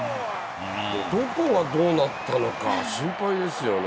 どこがどうなったのか心配ですよね。